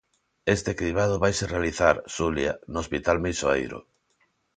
Este cribado vaise realizar, Xulia, no hospital Meixoeiro.